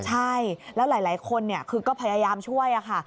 ใช่แล้วหลายคนคือก็พยายามช่วยค่ะ